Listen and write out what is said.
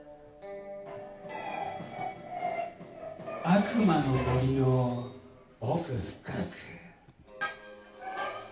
悪魔の森の奥深く。